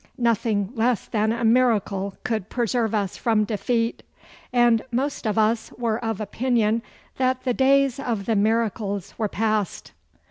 Nothing less than a miracle could preserve us from defeat, and most of us were of opinion that the days of the miracles were past.